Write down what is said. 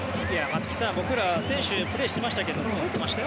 松木さん、僕ら選手でプレーしていましたが届いてた？